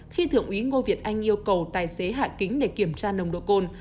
khi thượng úy ngô việt anh yêu cầu tài xế hạ kính để kiểm tra nồng độ cồn